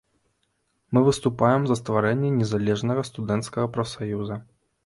Мы выступаем за стварэнне незалежнага студэнцкага прафсаюза.